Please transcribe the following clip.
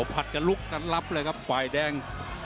ผดซะลุคท่านรับเลยครับวายแดง